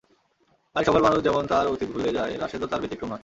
অনেক সফল মানুষ যেমন তার অতীত ভুলে যায়, রাশেদও তার ব্যতিক্রম নয়।